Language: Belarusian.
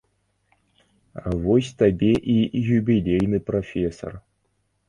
Вось табе і юбілейны прафесар.